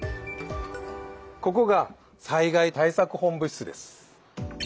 ここが災害対策本部室です。